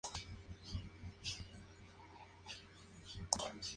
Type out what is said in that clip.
A lo largo de su historia, la liga ha contado con varios formatos.